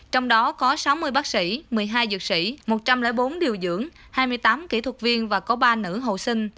trong đó có sáu mươi bác sĩ một mươi hai dược sĩ một trăm linh bốn điều dưỡng hai mươi tám kỹ thuật viên và có ba nữ hậu sinh